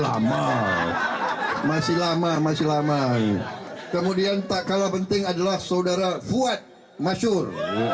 lama masih lama masih lama kemudian tak kalah penting adalah saudara fuad masyur